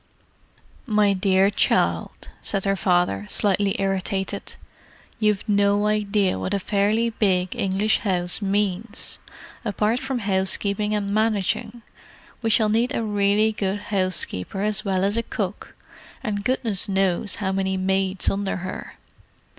"My dear child," said her father, slightly irritated—"you've no idea of what a fairly big English house means, apart from housekeeping and managing. We shall need a really good housekeeper as well as a cook; and goodness knows how many maids under her.